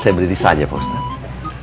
saya berdiri saja pak ustadz